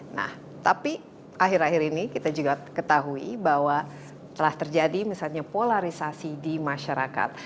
nah tapi akhir akhir ini kita juga ketahui bahwa telah terjadi misalnya polarisasi di masyarakat